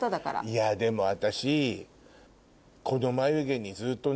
いやでも私。